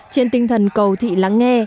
trên tinh thần cầu thị lắng nghe